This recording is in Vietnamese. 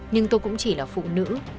nhưng tôi cũng chỉ là phụ nữ